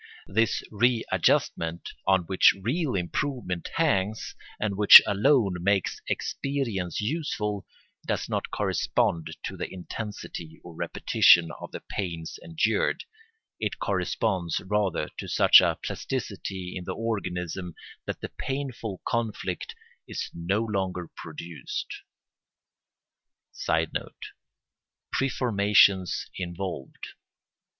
This readjustment, on which real improvement hangs and which alone makes "experience" useful, does not correspond to the intensity or repetition of the pains endured; it corresponds rather to such a plasticity in the organism that the painful conflict is no longer produced. [Sidenote: Preformations involved.